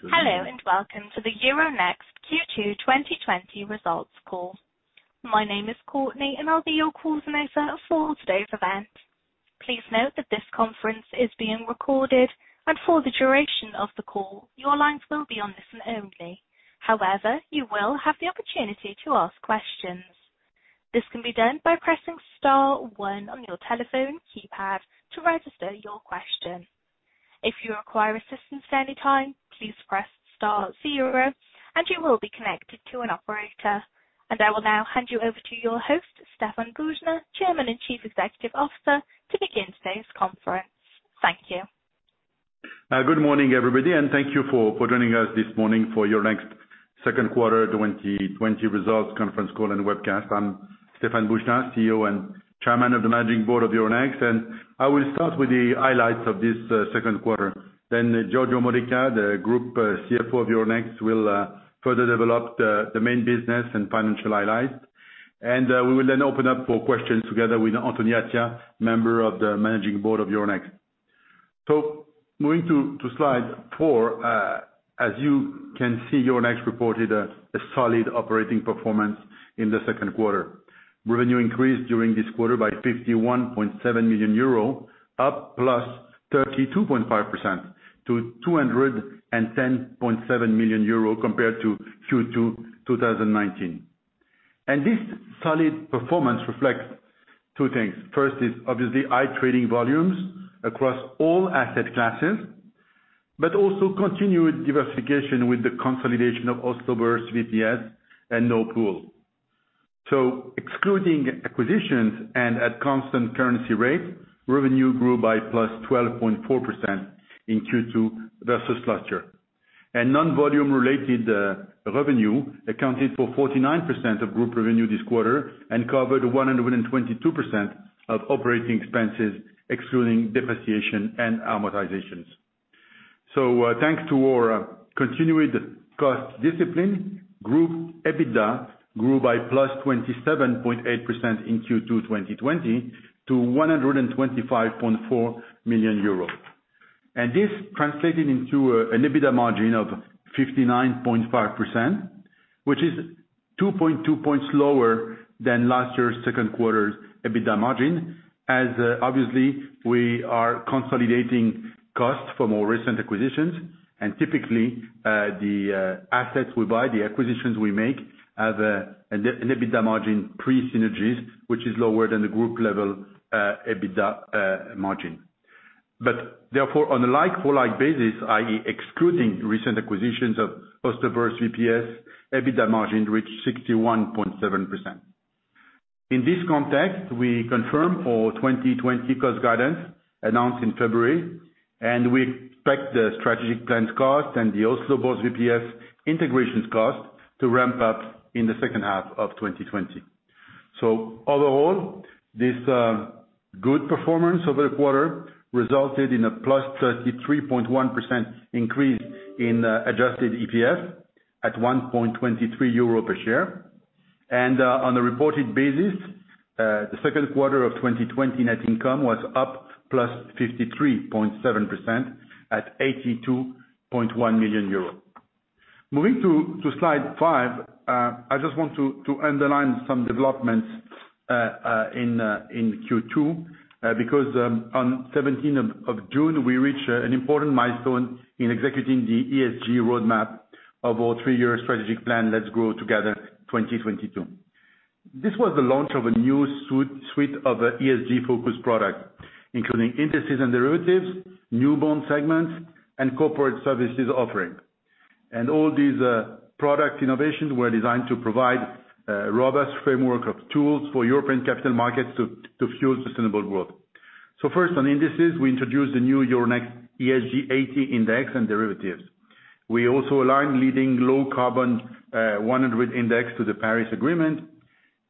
Hello, welcome to the Euronext Q2 2020 results call. My name is Courtney, and I'll be your call coordinator for today's event. Please note that this conference is being recorded, and for the duration of the call, your lines will be on listen only. However, you will have the opportunity to ask questions. This can be done by pressing star one on your telephone keypad to register your question. If you require assistance at any time, please press star zero and you will be connected to an operator. I will now hand you over to your host, Stéphane Boujnah, Chairman and Chief Executive Officer, to begin today's conference. Thank you. Good morning, everybody, thank you for joining us this morning for Euronext Second Quarter 2020 results conference call and webcast. I'm Stéphane Boujnah, CEO and Chairman of the Managing Board of Euronext. I will start with the highlights of this second quarter, then Giorgio Modica, the Group CFO of Euronext, will further develop the main business and financial highlights. We will then open up for questions together with Anthony Attia, Member of the Managing Board of Euronext. Moving to slide four. As you can see, Euronext reported a solid operating performance in the second quarter. Revenue increased during this quarter by 51.7 million euro, up plus 32.5% to 210.7 million euro compared to Q2 2019. This solid performance reflects two things. First is obviously high trading volumes across all asset classes, but also continued diversification with the consolidation of Oslo Børs VPS and Nord Pool. Excluding acquisitions and at constant currency rate, revenue grew by +12.4% in Q2 versus last year. Non-volume related revenue accounted for 49% of group revenue this quarter and covered 122% of operating expenses, excluding depreciation and amortisation. Thanks to our continued cost discipline, group EBITDA grew by +27.8% in Q2 2020 to 125.4 million euros. This translated into an EBITDA margin of 59.5%, which is 2.2 points lower than last year's second quarter's EBITDA margin as, obviously, we are consolidating costs for more recent acquisitions. Typically, the assets we buy, the acquisitions we make, have an EBITDA margin pre synergies, which is lower than the group level EBITDA margin. Therefore, on a like-for-like basis, i.e., excluding recent acquisitions of Oslo Børs VPS, EBITDA margin reached 61.7%. In this context, we confirm our 2020 cost guidance announced in February, we expect the strategic plans cost and the Oslo Børs VPS integrations cost to ramp up in the second half of 2020. Overall, this good performance over the quarter resulted in a +33.1% increase in adjusted EPS at 1.23 euro per share. On a reported basis, the second quarter of 2020 net income was up +53.7% at 82.1 million euros. Moving to slide five. I just want to underline some developments in Q2, because on 17th of June, we reached an important milestone in executing the ESG roadmap of our three-year strategic plan, Let's Grow Together 2022. This was the launch of a new suite of ESG-focused products, including indices and derivatives, new bond segments, and corporate services offering. All these product innovations were designed to provide a robust framework of tools for European capital markets to fuel sustainable growth. First, on indices, we introduced the new Euronext ESG 80 index and derivatives. We also aligned leading Low Carbon 100 index to the Paris Agreement.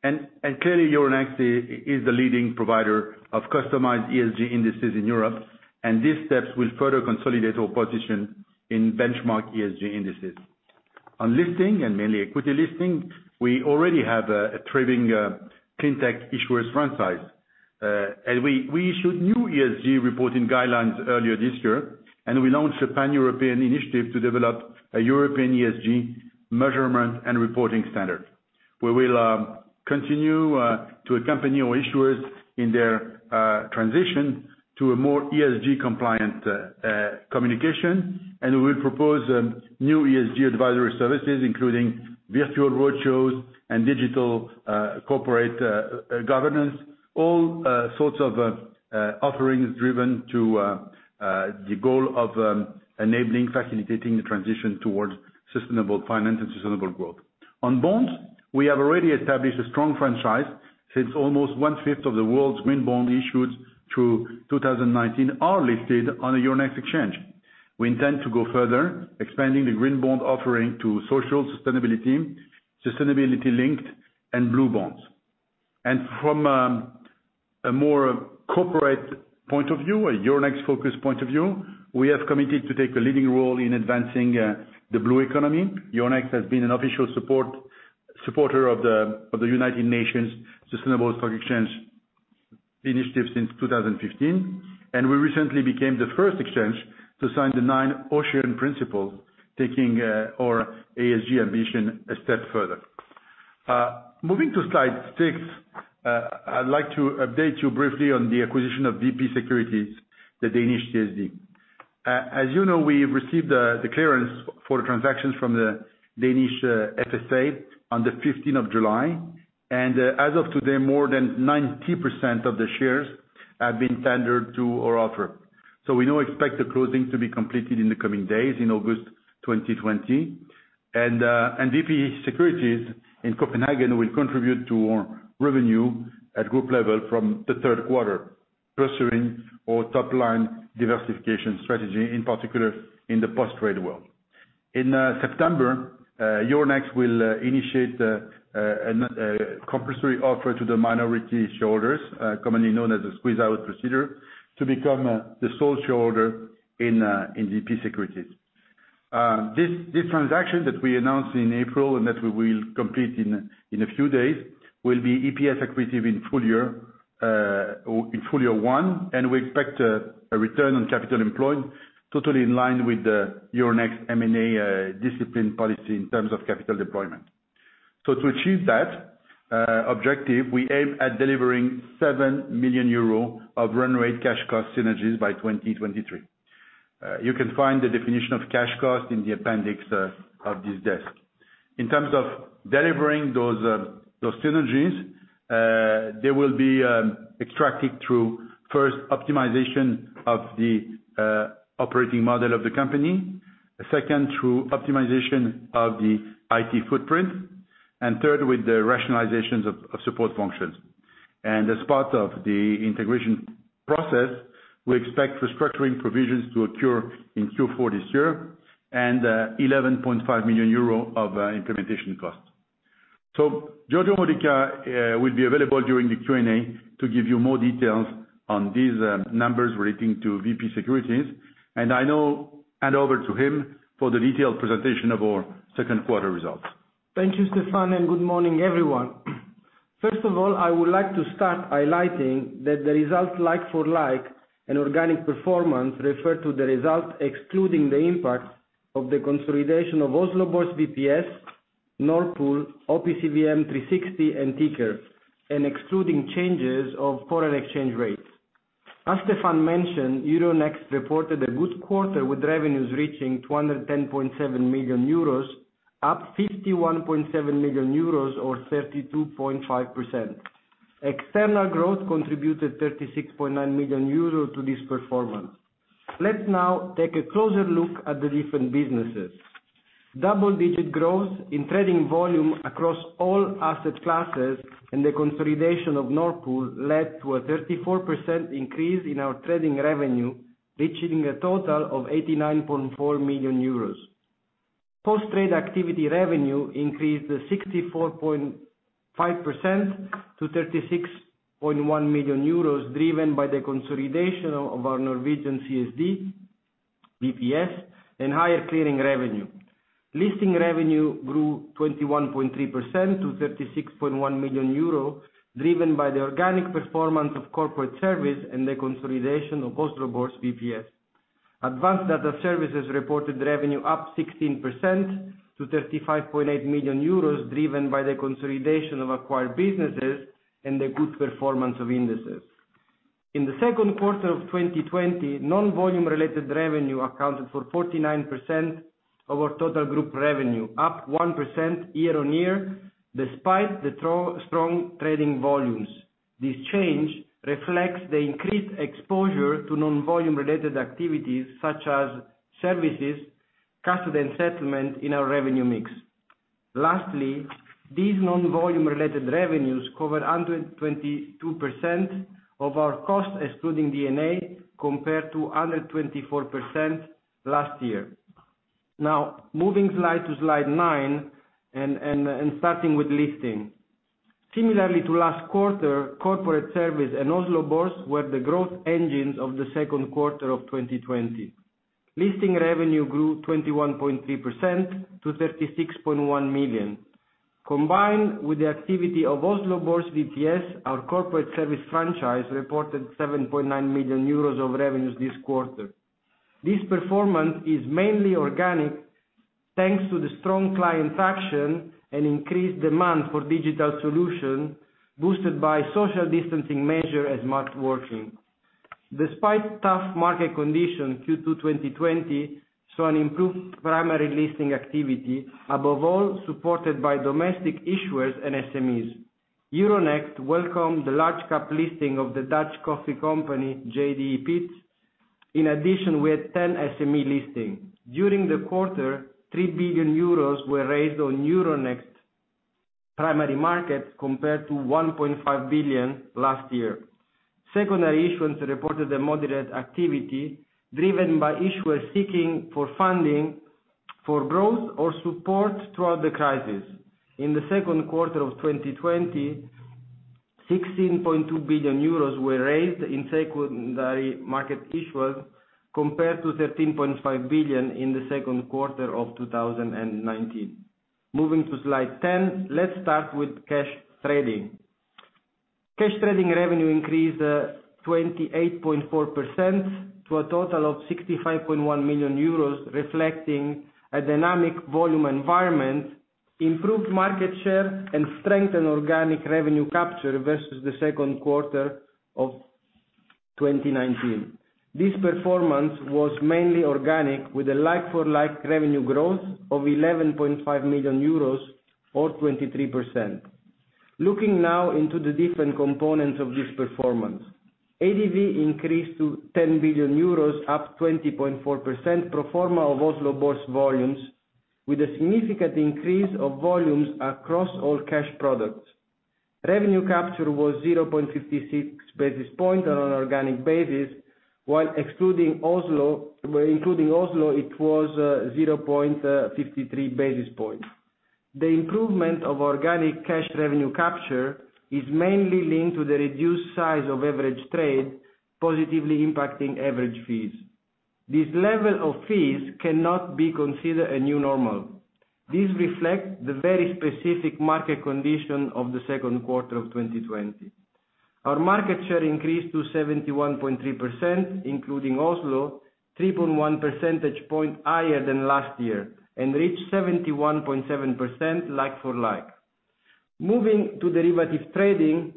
Clearly Euronext is the leading provider of customized ESG indices in Europe, and these steps will further consolidate our position in benchmark ESG indices. On listing and mainly equity listing, we already have a thriving clean tech issuers franchise. We issued new ESG reporting guidelines earlier this year, and we launched a pan-European initiative to develop a European ESG measurement and reporting standard, where we'll continue to accompany our issuers in their transition to a more ESG compliant communication. We will propose new ESG advisory services, including virtual roadshows and digital corporate governance, all sorts of offerings driven to the goal of enabling, facilitating the transition towards sustainable finance and sustainable growth. On bonds, we have already established a strong franchise since almost 1/5 of the world's green bond issued through 2019 are listed on a Euronext exchange. We intend to go further, expanding the green bond offering to social sustainability linked, and blue bonds. From a more corporate point of view, a Euronext focus point of view, we have committed to take a leading role in advancing the blue economy. Euronext has been an official supporter of the United Nations Sustainable Stock Exchanges Initiative since 2015, and we recently became the first exchange to sign the nine Sustainable Ocean Principles, taking our ESG ambition a step further. Moving to slide six, I'd like to update you briefly on the acquisition of VP Securities, the Danish CSD. As you know, we received the clearance for the transactions from the Danish FSA on the 15th of July, as of today, more than 90% of the shares have been tendered to our offer. We now expect the closing to be completed in the coming days in August 2020. VP Securities in Copenhagen will contribute to our revenue at group level from the third quarter, pursuing our top-line diversification strategy, in particular in the post-trade world. In September, Euronext will initiate a compulsory offer to the minority shareholders, commonly known as a squeeze-out procedure, to become the sole shareholder in VP Securities. This transaction that we announced in April and that we will complete in a few days, will be EPS accretive in full year one, and we expect a return on capital employed totally in line with the Euronext M&A discipline policy in terms of capital deployment. To achieve that objective, we aim at delivering 7 million euro of run rate cash cost synergies by 2023. You can find the definition of cash cost in the appendix of this deck. In terms of delivering those synergies, they will be extracted through, first, optimization of the operating model of the company. Second, through optimization of the IT footprint, and third, with the rationalizations of support functions. As part of the integration process, we expect restructuring provisions to occur in Q4 this year, and 11.5 million euro of implementation costs. Giorgio Modica will be available during the Q&A to give you more details on these numbers relating to VP Securities. I now hand over to him for the detailed presentation of our second quarter results. Thank you, Stéphane, and good morning, everyone. First of all, I would like to start highlighting that the results like for like and organic performance refer to the result excluding the impacts of the consolidation of Oslo Børs VPS, Nord Pool, OPCVM360, and Ticker, and excluding changes of foreign exchange rates. As Stéphane mentioned, Euronext reported a good quarter, with revenues reaching 210.7 million euros, up 51.7 million euros, or 32.5%. External growth contributed 36.9 million euros to this performance. Let's now take a closer look at the different businesses. Double-digit growth in trading volume across all asset classes and the consolidation of Nord Pool led to a 34% increase in our trading revenue, reaching a total of 89.4 million euros. Post trade activity revenue increased 64.5% to 36.1 million euros, driven by the consolidation of our Norwegian CSD, VPS, and higher clearing revenue. Listing revenue grew 21.3% to 36.1 million euro, driven by the organic performance of Corporate Services and the consolidation of Oslo Børs VPS. Advanced Data Services reported revenue up 16% to 35.8 million euros, driven by the consolidation of acquired businesses and the good performance of indices. In the second quarter of 2020, non-volume related revenue accounted for 49% of our total group revenue, up 1% year-on-year despite the strong trading volumes. This change reflects the increased exposure to non-volume related activities such as services, custody, and settlement in our revenue mix. Lastly, these non-volume related revenues covered 122% of our cost excluding D&A, compared to 124% last year. Now, moving slide to slide nine and starting with listing. Similarly to last quarter, Corporate Services and Oslo Børs were the growth engines of the second quarter of 2020. Listing revenue grew 21.3% to 36.1 million. Combined with the activity of Oslo Børs VPS, our Corporate Service franchise reported 7.9 million euros of revenues this quarter. This performance is mainly organic, thanks to the strong client action and increased demand for digital solution boosted by social distancing measure and smart working. Despite tough market conditions, Q2 2020 saw an improved primary listing activity, above all supported by domestic issuers and SMEs. Euronext welcomed the large cap listing of the Dutch Coffee Company, JDE Peet's. In addition, we had 10 SME listings. During the quarter, 3 billion euros were raised on Euronext primary markets compared to 1.5 billion last year. Secondary issuance reported a moderate activity driven by issuers seeking for funding for growth or support throughout the crisis. In the second quarter of 2020, 16.2 billion euros were raised in secondary market issuance, compared to 13.5 billion in the second quarter of 2019. Moving to slide 10. Let's start with Cash trading. Cash trading revenue increased 28.4% to a total of 65.1 million euros, reflecting a dynamic volume environment, improved market share, and strengthened organic revenue capture versus the second quarter of 2019. This performance was mainly organic, with a like-for-like revenue growth of 11.5 million euros or 23%. Looking now into the different components of this performance. ADV increased to 10 billion euros, up 20.4% pro forma of Oslo Børs volumes, with a significant increase of volumes across all cash products. Revenue capture was 0.56 basis point on an organic basis. While including Oslo, it was 0.53 basis points. The improvement of organic cash revenue capture is mainly linked to the reduced size of average trade, positively impacting average fees. This level of fees cannot be considered a new normal. This reflects the very specific market condition of Q2 2020. Our market share increased to 71.3%, including Oslo, 3.1 percentage point higher than last year, and reached 71.7% like-for-like. Moving to derivative trading.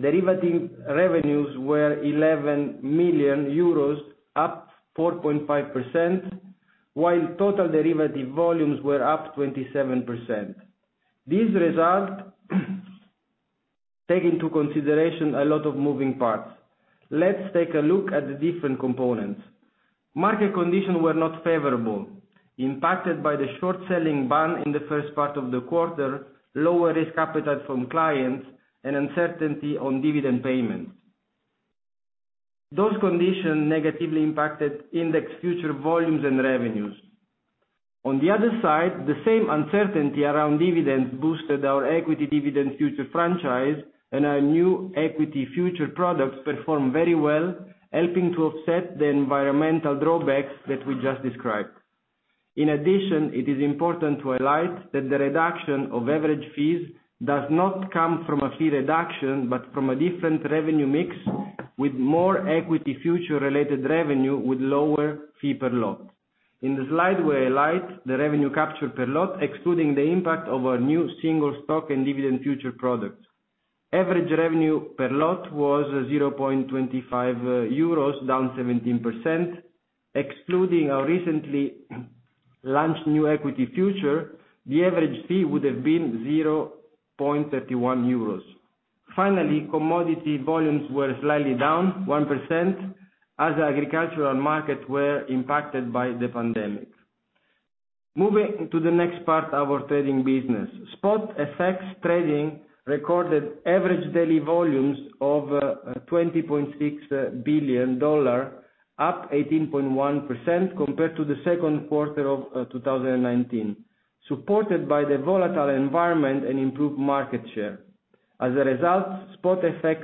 Derivative revenues were 11 million euros, up 4.5%, while total derivative volumes were up 27%. These results take into consideration a lot of moving parts. Let's take a look at the different components. Market conditions were not favorable, impacted by the short selling ban in the first part of the quarter, lower risk appetite from clients, and uncertainty on dividend payments. Those conditions negatively impacted index future volumes and revenues. On the other side, the same uncertainty around dividends boosted our equity dividend future franchise, and our new equity future products performed very well, helping to offset the environmental drawbacks that we just described. In addition, it is important to highlight that the reduction of average fees does not come from a fee reduction, but from a different revenue mix with more equity future-related revenue with lower fee per lot. In the slide, we highlight the revenue captured per lot, excluding the impact of our new single stock and dividend future products. Average revenue per lot was 0.25 euros, down 17%. Excluding our recently launched new equity future, the average fee would have been 0.31 euros. Finally, commodity volumes were slightly down 1% as agricultural markets were impacted by the pandemic. Moving to the next part of our trading business. Spot FX trading recorded average daily volumes of $20.6 billion, up 18.1% compared to the second quarter of 2019, supported by the volatile environment and improved market share. As a result, Spot FX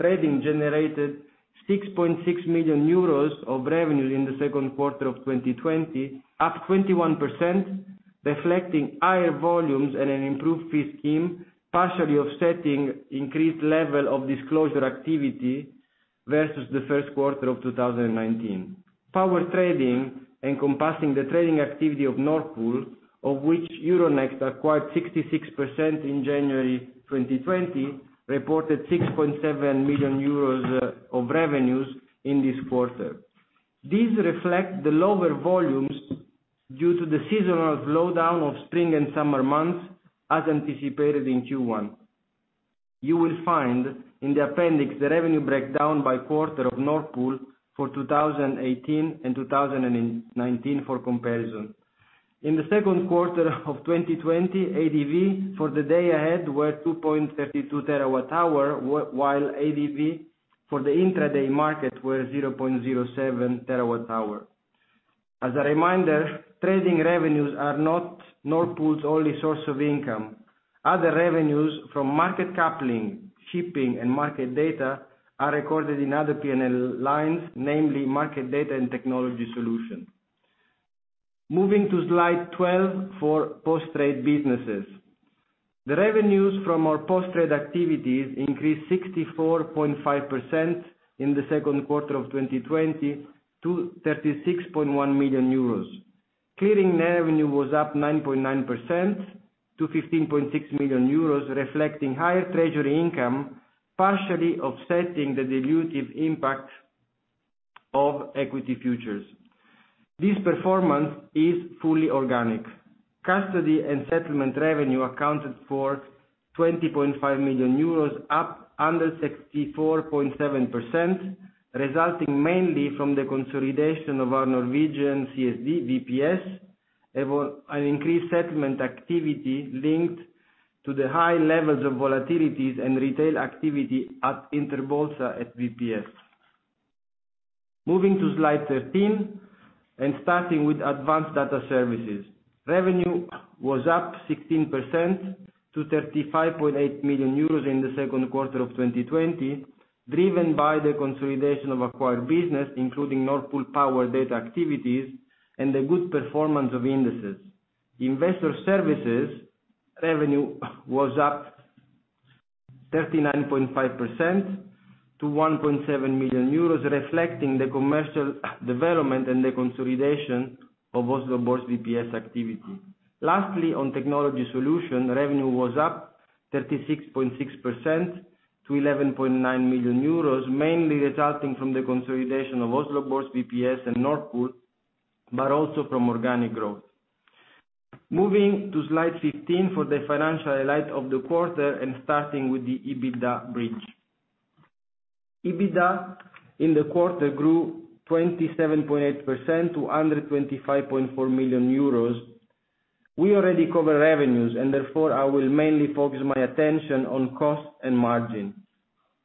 trading generated 6.6 million euros of revenue in the second quarter of 2020, up 21%, reflecting higher volumes and an improved fee scheme, partially offsetting increased level of disclosure activity versus the first quarter of 2019. Power trading, encompassing the trading activity of Nord Pool, of which Euronext acquired 66% in January 2020, reported 6.7 million euros of revenues in this quarter. These reflect the lower volumes due to the seasonal slowdown of spring and summer months as anticipated in Q1. You will find in the appendix the revenue breakdown by quarter of Nord Pool for 2018 and 2019 for comparison. In the second quarter of 2020, ADV for the day ahead were 2.32 terawatt hours, while ADV for the intraday market were 0.07 terawatt hours. As a reminder, trading revenues are not Nord Pool's only source of income. Other revenues from market coupling, shipping, and market data are recorded in other P&L lines, namely, market data and technology solution. Moving to slide 12 for post-trade businesses. The revenues from our post-trade activities increased 64.5% in the second quarter of 2020 to 36.1 million euros. Clearing revenue was up 9.9% to 15.6 million euros, reflecting higher treasury income, partially offsetting the dilutive impact of equity futures. This performance is fully organic. Custody and settlement revenue accounted for 20.5 million euros, up 164.7%, resulting mainly from the consolidation of our Norwegian CSD VPS, and an increased settlement activity linked to the high levels of volatilities and retail activity at Interbolsa and VPS. Moving to slide 13 and starting with Advanced Data Services. Revenue was up 16% to 35.8 million euros in the second quarter of 2020. Driven by the consolidation of acquired business, including Nord Pool Power data activities, and the good performance of indices. Investor Services revenue was up 39.5% to 1.7 million euros, reflecting the commercial development and the consolidation of Oslo Børs VPS activity. Lastly, on Technology Solution, revenue was up 36.6% to 11.9 million euros, mainly resulting from the consolidation of Oslo Børs VPS and Nord Pool, but also from organic growth. Moving to slide 15 for the financial highlight of the quarter and starting with the EBITDA bridge. EBITDA in the quarter grew 27.8% to 125.4 million euros. We already covered revenues, and therefore, I will mainly focus my attention on costs and margin.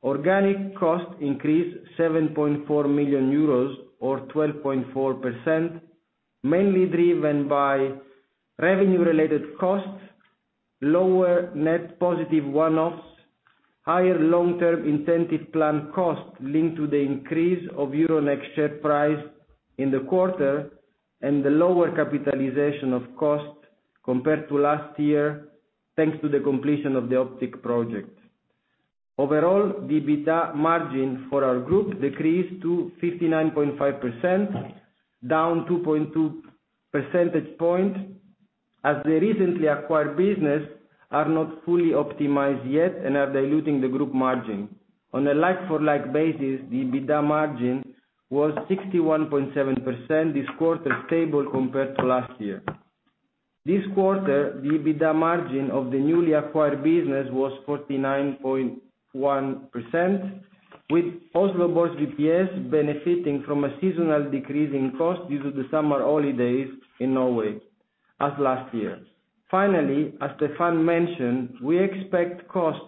Organic costs increased 7.4 million euros or 12.4%, mainly driven by revenue-related costs, lower net positive one-offs, higher long-term incentive plan costs linked to the increase of Euronext share price in the quarter, and the lower capitalization of costs compared to last year, thanks to the completion of the Optiq Project. Overall, the EBITDA margin for our group decreased to 59.5%, down 2.2 percentage points, as the recently acquired business are not fully optimized yet and are diluting the group margin. On a like-for-like basis, the EBITDA margin was 61.7% this quarter, stable compared to last year. This quarter, the EBITDA margin of the newly acquired business was 49.1%, with Oslo Børs VPS benefiting from a seasonal decrease in cost due to the summer holidays in Norway as last year. Finally, as Stéphane mentioned, we expect costs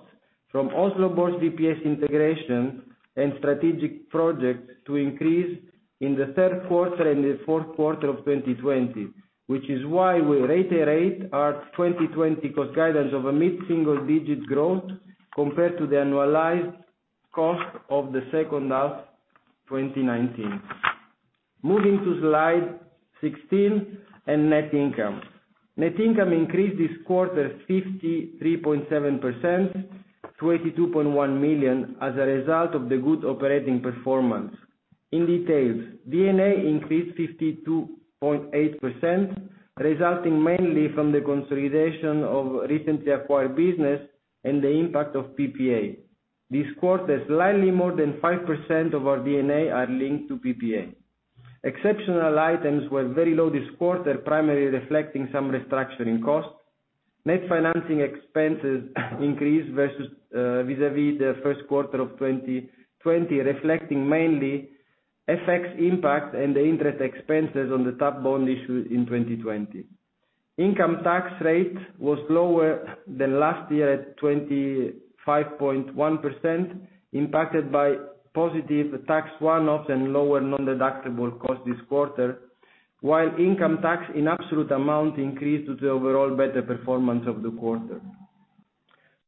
from Oslo Børs VPS integration and strategic projects to increase in the third quarter and the fourth quarter of 2020. Which is why we reiterate our 2020 cost guidance of a mid-single-digit growth compared to the annualized cost of the second half 2019. Moving to slide 16 and net income. Net income increased this quarter 53.7%, 82.1 million, as a result of the good operating performance. In details, D&A increased 52.8%, resulting mainly from the consolidation of recently acquired business and the impact of PPA. This quarter, slightly more than 5% of our D&A are linked to PPA. Exceptional items were very low this quarter, primarily reflecting some restructuring costs. Net financing expenses increased vis-a-vis the first quarter of 2020, reflecting mainly FX impact and the interest expenses on the tap bond issue in 2020. Income tax rate was lower than last year at 25.1%, impacted by positive tax one-offs and lower non-deductible costs this quarter, while income tax in absolute amount increased due to overall better performance of the quarter.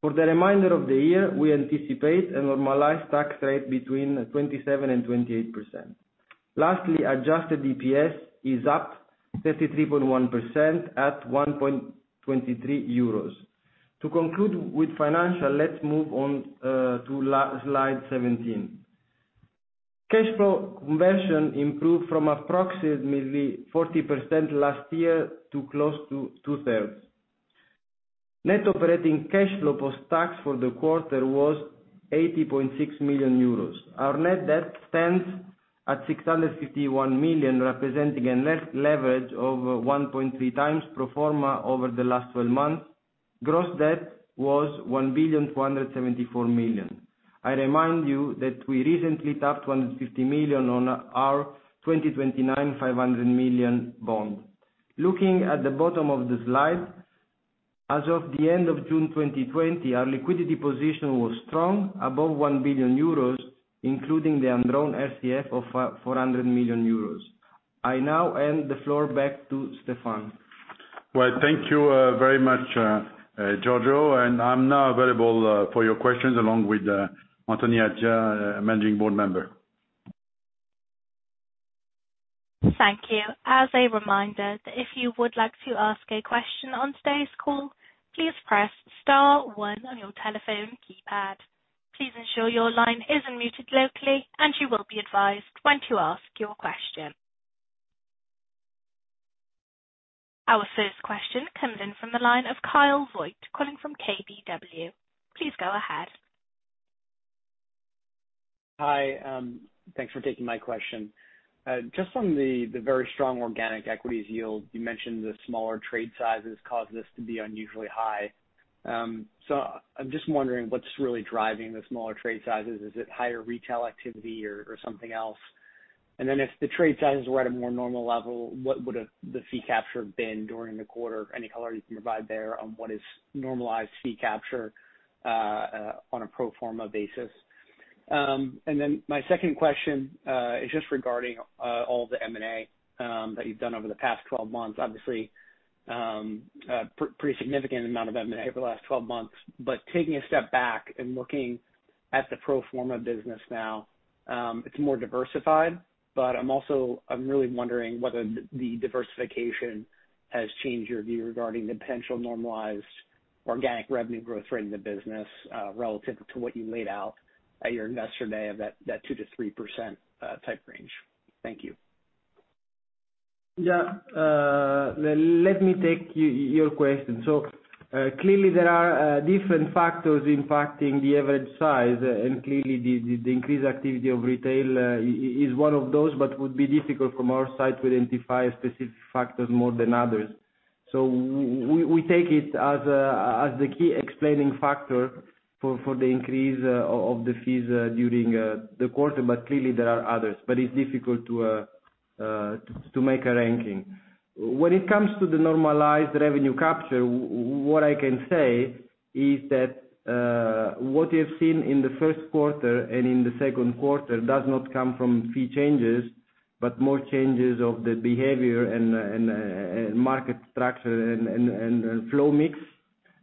For the remainder of the year, we anticipate a normalized tax rate between 27% and 28%. Lastly, adjusted EPS is up 33.1% at 1.23 euros. To conclude with financial, let's move on to slide 17. Cash flow conversion improved from approximately 40% last year to close to two-thirds. Net operating cash flow post-tax for the quarter was 80.6 million euros. Our net debt stands at 651 million, representing a net leverage of 1.3x pro forma over the last 12 months. Gross debt was 1,274 million. I remind you that we recently tapped 250 million on our 2029, 500 million bond. Looking at the bottom of the slide, as of the end of June 2020, our liquidity position was strong, above 1 billion euros, including the undrawn RCF of 400 million euros. I now hand the floor back to Stéphane. Well, thank you very much, Giorgio. I'm now available for your questions along with Anthony Attia, Managing Board Member. Thank you. As a reminder, if you would like to ask a question on today's call, please press star one on your telephone keypad. Please ensure your line is unmuted locally and you will be advised when to ask your question. Our first question comes in from the line of Kyle Voigt, calling from KBW. Please go ahead. Hi. Thanks for taking my question. On the very strong organic equities yield, you mentioned the smaller trade sizes caused this to be unusually high. I'm wondering what's really driving the smaller trade sizes. Is it higher retail activity or something else? If the trade sizes were at a more normal level, what would the fee capture been during the quarter? Any color you can provide there on what is normalized fee capture on a pro forma basis? My second question is regarding all the M&A that you've done over the past 12 months, obviously a pretty significant amount of M&A over the last 12 months. Taking a step back and looking at the pro forma business now, it's more diversified. I'm really wondering whether the diversification has changed your view regarding the potential normalized organic revenue growth rate in the business, relative to what you laid out at your Investor Day of that 2%-3% type range. Thank you. Yeah. Let me take your question. Clearly there are different factors impacting the average size, and clearly the increased activity of retail is one of those, but would be difficult from our side to identify specific factors more than others. We take it as the key explaining factor for the increase of the fees during the quarter. Clearly there are others, but it's difficult to make a ranking. When it comes to the normalized revenue capture, what I can say is that what you have seen in the first quarter and in the second quarter does not come from fee changes, but more changes of the behavior and market structure and flow mix.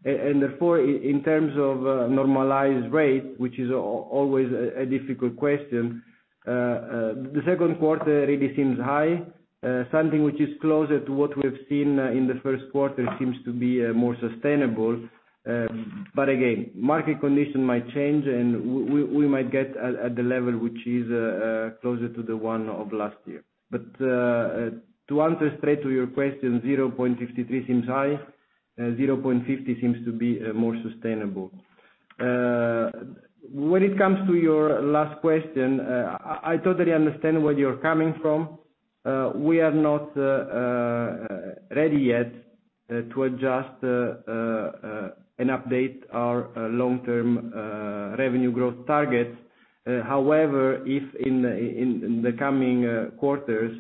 Therefore, in terms of normalized rate, which is always a difficult question, the second quarter really seems high. Something which is closer to what we have seen in the first quarter seems to be more sustainable. Again, market condition might change, and we might get at the level which is closer to the one of last year. To answer straight to your question, 0.63 seems high, 0.50 seems to be more sustainable. When it comes to your last question, I totally understand where you're coming from. We are not ready yet to adjust and update our long-term revenue growth targets. However, if in the coming quarters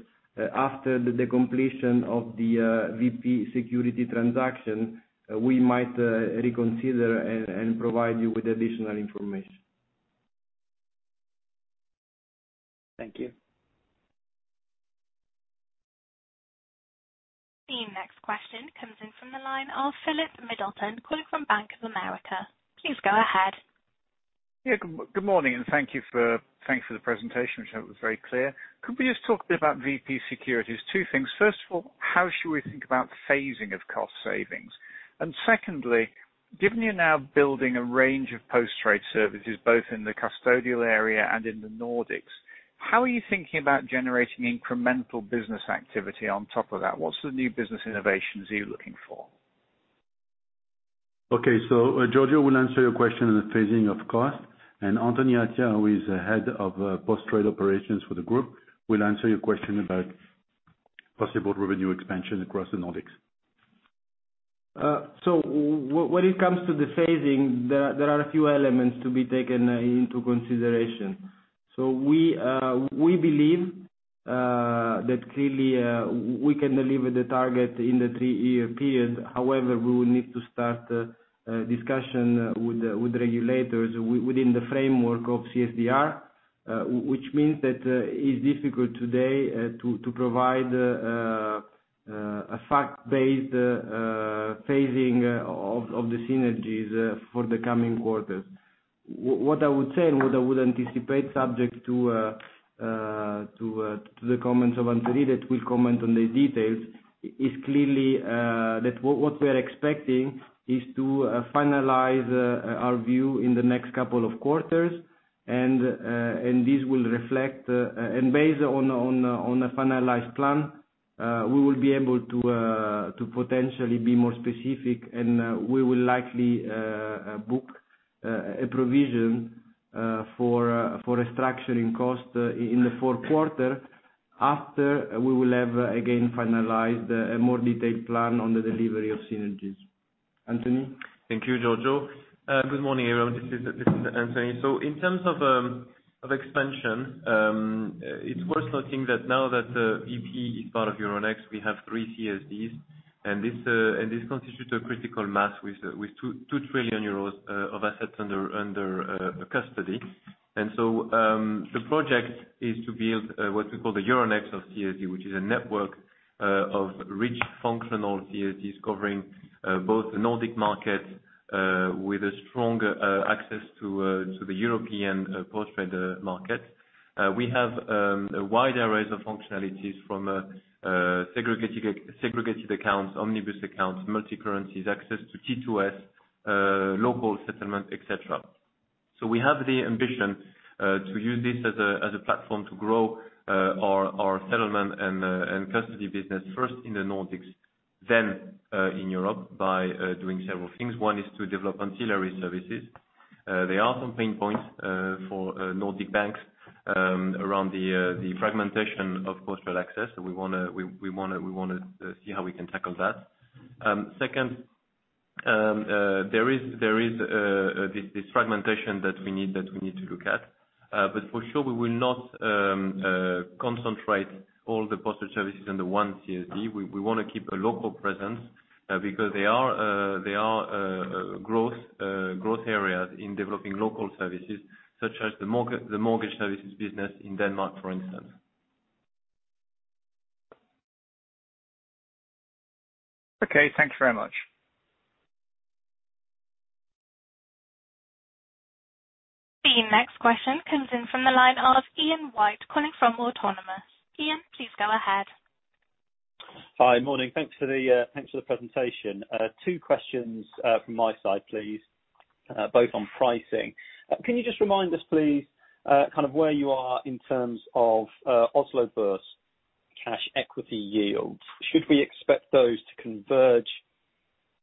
after the completion of the VP Securities transaction, we might reconsider and provide you with additional information. Thank you. The next question comes in from the line of Philip Middleton calling from Bank of America. Please go ahead. Yeah. Good morning, and thank you for the presentation, which was very clear. Could we just talk a bit about VP Securities? Two things. First of all, how should we think about phasing of cost savings? Secondly, given you're now building a range of post-trade services both in the custodial area and in the Nordics, how are you thinking about generating incremental business activity on top of that? What's the new business innovations are you looking for? Okay. Giorgio will answer your question on the phasing of cost, and Anthony Attia, who is the head of post-trade operations for the group, will answer your question about possible revenue expansion across the Nordics. When it comes to the phasing, there are a few elements to be taken into consideration. We believe that clearly we can deliver the target in the three-year period. However, we will need to start discussion with regulators within the framework of CSDR, which means that it is difficult today to provide a fact-based phasing of the synergies for the coming quarters. What I would say and what I would anticipate, subject to the comments of Anthony that will comment on the details, is clearly that what we are expecting is to finalize our view in the next couple of quarters, and based on a finalized plan, we will be able to potentially be more specific, and we will likely book a provision for a structuring cost in the fourth quarter after we will have again finalized a more detailed plan on the delivery of synergies. Anthony? Thank you, Giorgio. Good morning, everyone. This is Anthony. In terms of expansion, it is worth noting that now that VP is part of Euronext, we have three CSDs, and this constitutes a critical mass with 2 trillion euros of assets under custody. The project is to build what we call the Euronext of CSD, which is a network of rich functional CSDs covering both the Nordic market with a stronger access to the European post-trade market. We have a wide array of functionalities from segregated accounts, omnibus accounts, multicurrencies, access to T2S, local settlement, et cetera. We have the ambition to use this as a platform to grow our settlement and custody business first in the Nordics, then in Europe by doing several things. One is to develop ancillary services. There are some pain points for Nordic banks around the fragmentation of post-trade access, so we want to see how we can tackle that. Second, there is this fragmentation that we need to look at. For sure we will not concentrate all the post-trade services under one CSD. We want to keep a local presence because they are growth areas in developing local services such as the mortgage services business in Denmark, for instance. Okay, thanks very much. The next question comes in from the line of Ian White, calling from Autonomous. Ian, please go ahead. Hi, morning. Thanks for the presentation. Two questions from my side please, both on pricing. Can you just remind us, please, where you are in terms of Oslo Børs cash equity yields? Should we expect those to converge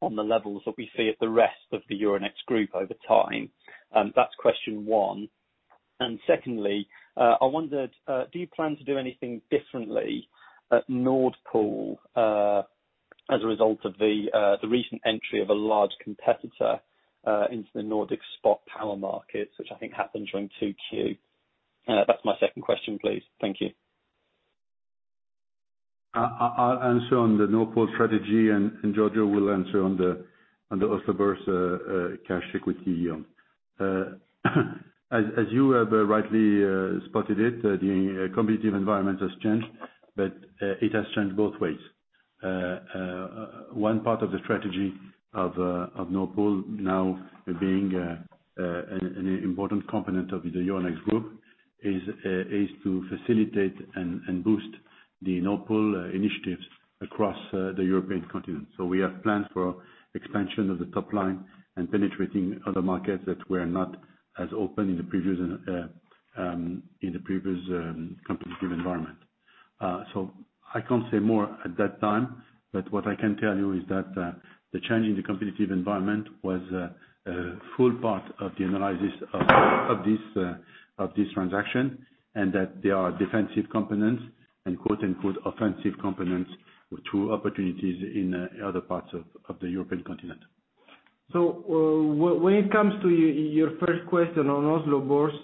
on the levels that we see at the rest of the Euronext Group over time? That's question one. Secondly, I wondered, do you plan to do anything differently at Nord Pool, as a result of the recent entry of a large competitor into the Nordic spot power markets, which I think happened during 2Q? That's my second question, please. Thank you. I will answer on the Nord Pool strategy, and Giorgio will answer on the Oslo Børs cash equity yield. As you have rightly spotted it, the competitive environment has changed, but it has changed both ways. One part of the strategy of Nord Pool now being an important component of the Euronext Group is to facilitate and boost the Nord Pool initiatives across the European continent. We have plans for expansion of the top line and penetrating other markets that were not as open in the previous competitive environment. I cannot say more at that time, but what I can tell you is that the change in the competitive environment was a full part of the analysis of this transaction, and that there are defensive components and quote, unquote, "offensive components" to opportunities in other parts of the European continent. When it comes to your first question on Oslo Børs,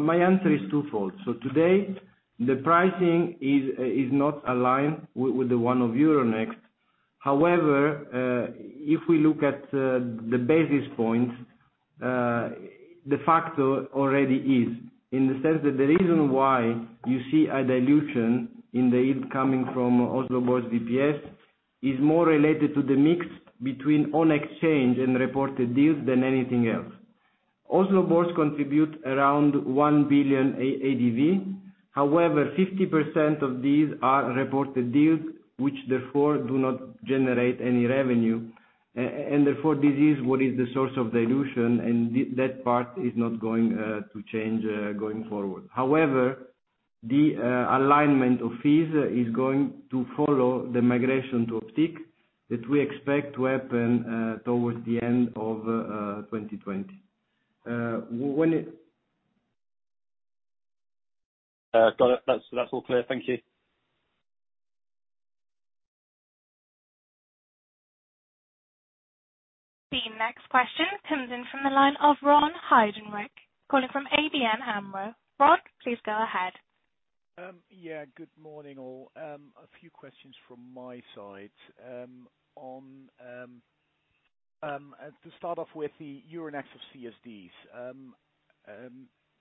my answer is twofold. Today, the pricing is not aligned with the one of Euronext. However, if we look at the basis points, de facto already is. In the sense that the reason why you see a dilution in the income coming from Oslo Børs VPS is more related to the mix between on exchange and reported deals than anything else. Oslo Børs contribute around 1 billion ADV. However, 50% of these are reported deals, which therefore do not generate any revenue. Therefore, this is what is the source of dilution, and that part is not going to change going forward. However, the alignment of fees is going to follow the migration to Optiq that we expect to happen towards the end of 2020. Got it. That's all clear. Thank you. The next question comes in from the line of Ron Heydenrijk, calling from ABN AMRO. Ron, please go ahead. Yeah, good morning, all. A few questions from my side. To start off with the Euronext of CSDs.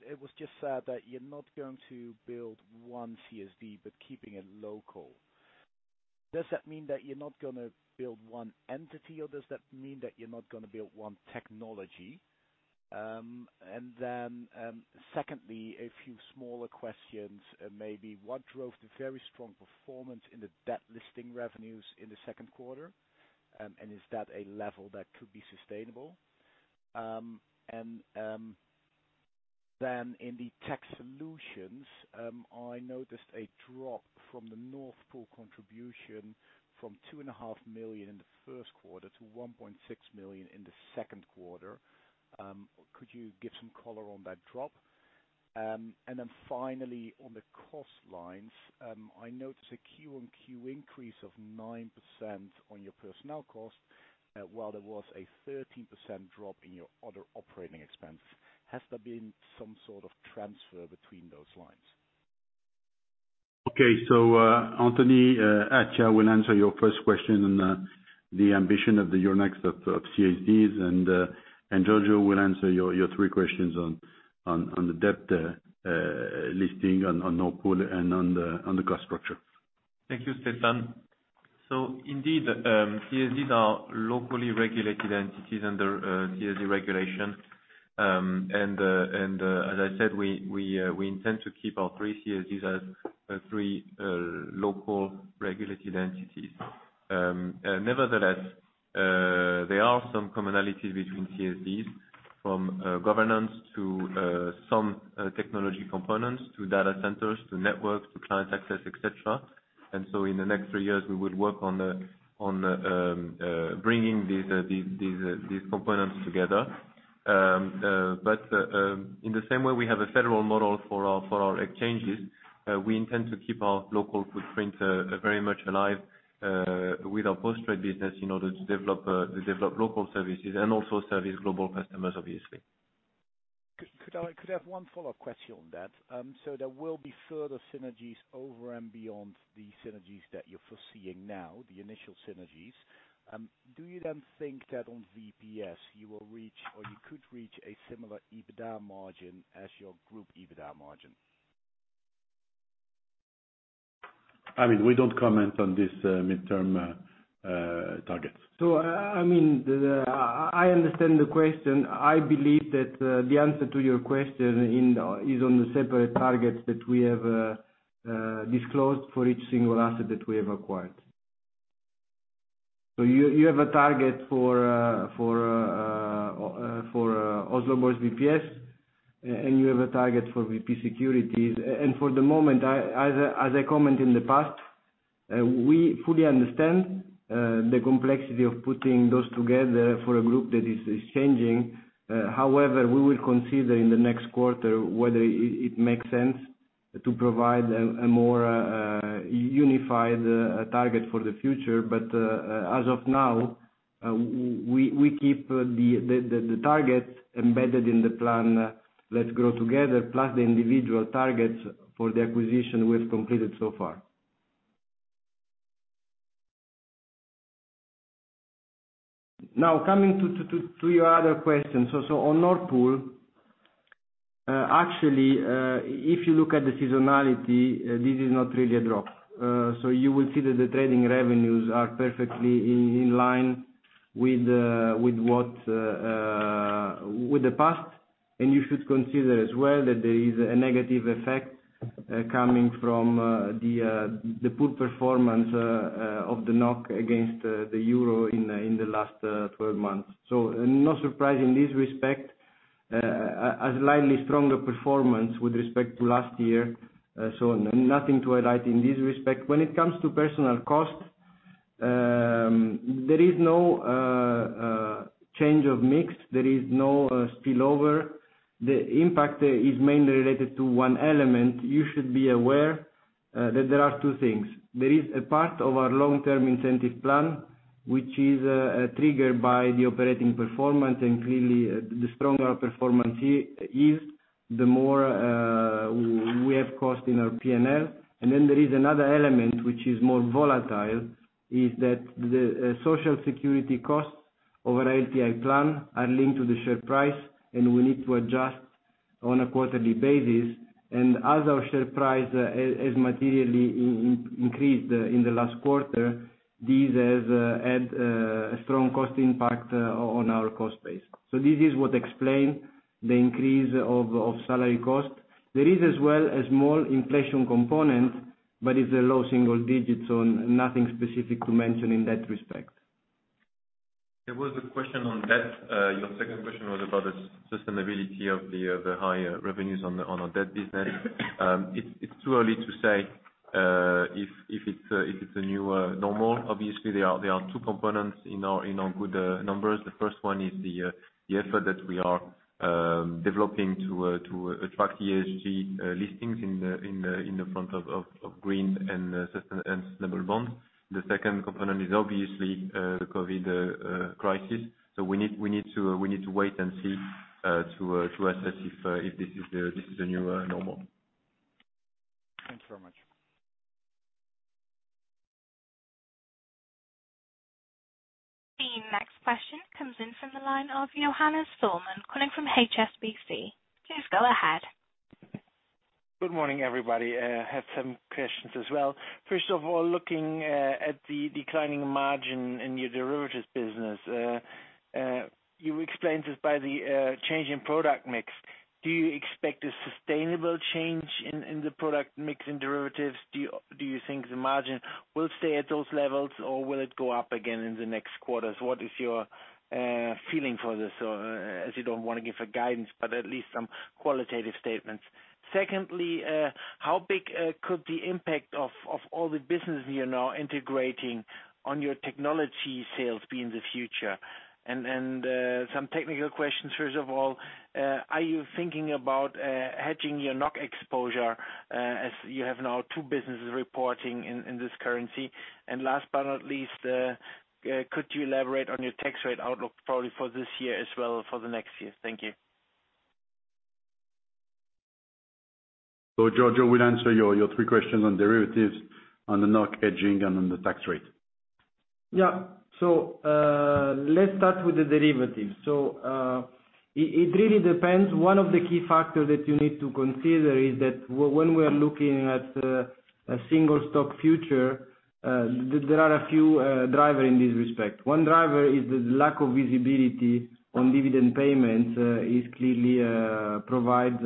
It was just said that you're not going to build one CSD, but keeping it local. Does that mean that you're not going to build one entity, or does that mean that you're not going to build one technology? Secondly, a few smaller questions, maybe what drove the very strong performance in the debt listing revenues in the second quarter, and is that a level that could be sustainable? In the tech solutions, I noticed a drop from the Nord Pool contribution from 2.5 million in the first quarter to 1.6 million in the second quarter. Could you give some color on that drop? Finally, on the cost lines, I notice a Q-on-Q increase of 9% on your personnel cost, while there was a 30% drop in your other operating expenses. Has there been some sort of transfer between those lines? Okay. Anthony Attia will answer your first question on the ambition of the Euronext of CSDs, and Giorgio will answer your three questions on the debt listing on Nord Pool and on the cost structure. Thank you, Stéphane. Indeed, CSDs are locally regulated entities under CSD regulation. As I said, we intend to keep our three CSDs as three local regulated entities. Nevertheless, there are some commonalities between CSDs from governance to some technology components, to data centers, to networks, to client access, et cetera. In the next three years, we would work on bringing these components together. In the same way we have a federal model for our exchanges, we intend to keep our local footprint very much alive with our post-trade business in order to develop local services and also service global customers, obviously. Could I have one follow-up question on that? There will be further synergies over and beyond the synergies that you're foreseeing now, the initial synergies. Do you think that on VPS, you will reach, or you could reach a similar EBITDA margin as your Group EBITDA margin? We don't comment on this midterm targets. I understand the question. I believe that the answer to your question is on the separate targets that we have disclosed for each single asset that we have acquired. You have a target for Oslo Børs VPS, and you have a target for VP Securities. For the moment, as I comment in the past, we fully understand the complexity of putting those together for a group that is changing. However, we will consider in the next quarter whether it makes sense to provide a more unified target for the future. As of now, we keep the target embedded in the plan, Let's Grow Together, plus the individual targets for the acquisition we have completed so far. Now, coming to your other question. On Nord Pool, actually, if you look at the seasonality, this is not really a drop. You will see that the trading revenues are perfectly in line with the past. You should consider as well that there is a negative effect coming from the poor performance of the NOK against the EUR in the last 12 months. No surprise in this respect. A slightly stronger performance with respect to last year, so nothing to highlight in this respect. When it comes to personnel cost, there is no change of mix. There is no spillover. The impact is mainly related to one element. You should be aware that there are two things. There is a part of our long-term incentive plan, which is triggered by the operating performance, and clearly, the stronger our performance is, the more we have cost in our P&L. There is another element which is more volatile, is that the social security costs of our LTI plan are linked to the share price, and we need to adjust on a quarterly basis. As our share price has materially increased in the last quarter, this has had a strong cost impact on our cost base. This is what explain the increase of salary cost. There is as well a small inflation component, but it's a low single digits, so nothing specific to mention in that respect. There was a question on debt. Your second question was about the sustainability of the higher revenues on our debt business. It's too early to say if it's a new normal. Obviously, there are two components in our good numbers. The first one is the effort that we are developing to attract ESG listings in the front of green and sustainable bonds. The second component is obviously the COVID crisis. We need to wait and see to assess if this is the new normal. Thanks very much. The next question comes in from the line of Johannes Thormann calling from HSBC. Please go ahead. Good morning, everybody. I have some questions as well. First of all, looking at the declining margin in your derivatives business. You explained this by the change in product mix. Do you expect a sustainable change in the product mix in derivatives? Do you think the margin will stay at those levels, or will it go up again in the next quarters? What is your feeling for this, as you don't want to give a guidance, but at least some qualitative statements. Secondly, how big could the impact of all the business you're now integrating on your technology sales be in the future? Some technical questions. First of all, are you thinking about hedging your NOK exposure, as you have now two businesses reporting in this currency? Last but not least, could you elaborate on your tax rate outlook, probably for this year as well for the next year? Thank you. Giorgio will answer your three questions on derivatives, on the NOK hedging, and on the tax rate. Let's start with the derivatives. It really depends. One of the key factors that you need to consider is that when we are looking at a single stock future, there are a few drivers in this respect. One driver is the lack of visibility on dividend payments, it clearly provides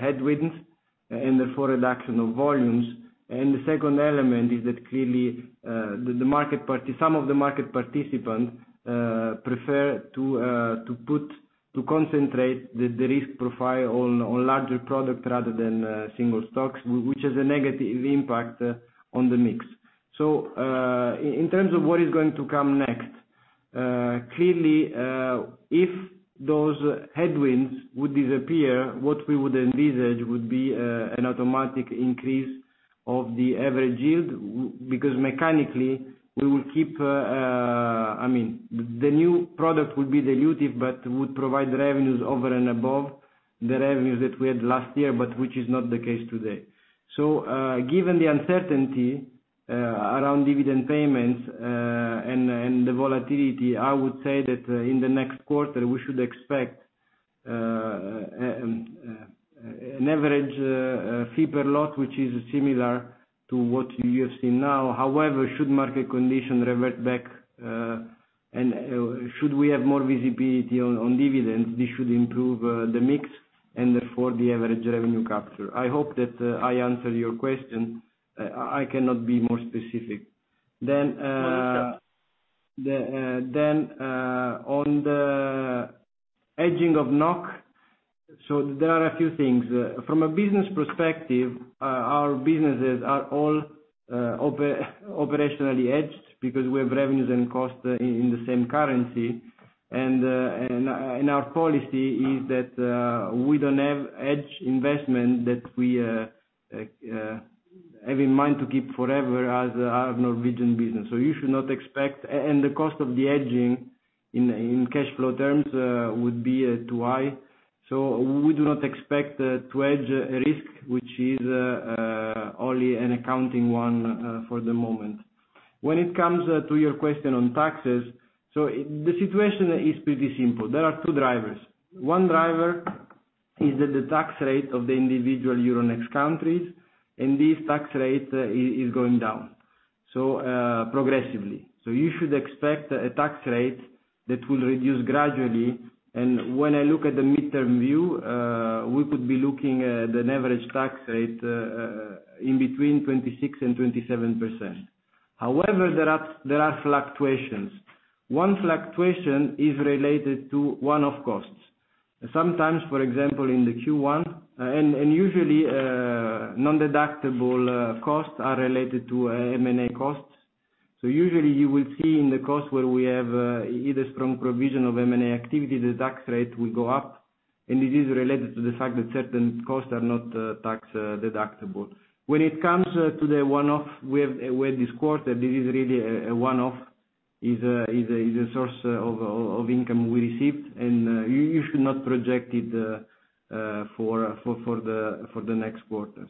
headwinds and therefore reduction of volumes. The second element is that clearly some of the market participants prefer to concentrate the risk profile on larger products rather than single stocks, which has a negative impact on the mix. In terms of what is going to come next, clearly, if those headwinds would disappear, what we would envisage would be an automatic increase of the average yield. Because mechanically, the new product would be dilutive, but would provide revenues over and above the revenues that we had last year, but which is not the case today. Given the uncertainty around dividend payments, and the volatility, I would say that in the next quarter, we should expect an average fee per lot, which is similar to what you have seen now. However, should market conditions revert back, and should we have more visibility on dividends, this should improve the mix and therefore the average revenue capture. I hope that I answered your question. I cannot be more specific. No, you have. On the hedging of NOK. There are a few things. From a business perspective, our businesses are all operationally hedged because we have revenues and costs in the same currency. Our policy is that, we don't have hedged investment that we have in mind to keep forever as our Norwegian business. You should not expect. The cost of the hedging, in cash flow terms, would be too high. We do not expect to hedge risk, which is only an accounting one for the moment. When it comes to your question on taxes. The situation is pretty simple. There are two drivers. One driver is that the tax rate of the individual Euronext countries, this tax rate is going down progressively. You should expect a tax rate that will reduce gradually. When I look at the midterm view, we could be looking at an average tax rate in between 26% and 27%. However, there are fluctuations. One fluctuation is related to one-off costs. Sometimes, for example, in the Q1, usually, non-deductible costs are related to M&A costs. Usually you will see in the cost where we have either strong provision of M&A activity, the tax rate will go up, and it is related to the fact that certain costs are not tax-deductible. When it comes to the one-off, we have disclosed that this is really a one-off, is a source of income we received, and you should not project it for the next quarter.